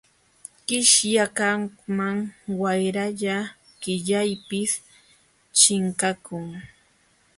Qishyakaqwan wayralla qillaypis chinkakun.